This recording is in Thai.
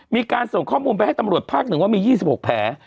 มีการส่งข้อมูลไปให้ตำรวจภาค๑ว่ามี๒๖แผล